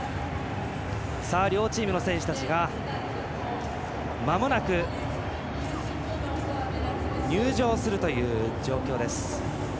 両チームの選手たちがまもなく入場する状況です。